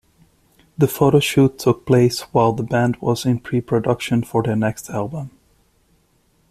The photoshoot took place while the band was in preproduction for their next album.